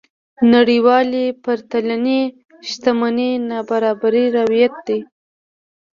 نړيوالې پرتلنې شتمنۍ نابرابرۍ روايت دي.